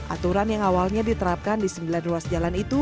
aturan yang awalnya diterapkan di sembilan ruas jalan itu